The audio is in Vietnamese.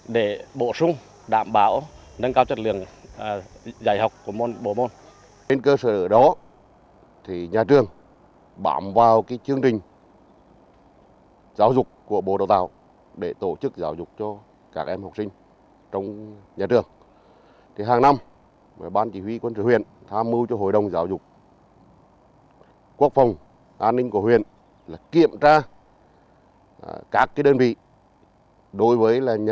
để bổ sung đảm bảo nâng cao trách lượng giải học của môn bộ môn